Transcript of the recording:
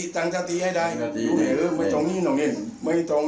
สังคมตรงนี้เอง